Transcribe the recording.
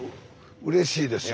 うれしいですよ。